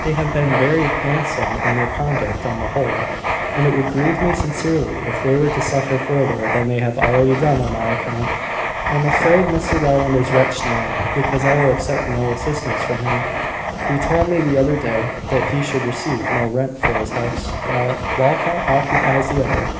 "They have been very handsome in their conduct on the whole; and it would grieve me sincerely if they were to suffer further than they have already done on my account. I am afraid Mr Rowland is wretched now, because I will accept no assistance from him. He told me, the other day, that he should receive no rent for this house while Walcot occupies the other.